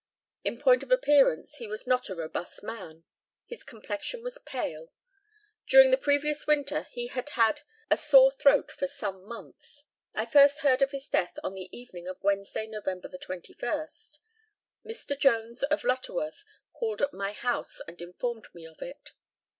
In point of appearance he was not a robust man. His complexion was pale. During the previous winter he had had a sore throat for some months. I first heard of his death on the evening of Wednesday, November 21. Mr. Jones, of Lutterworth, called at my house and informed me of it.